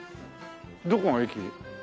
どこが駅？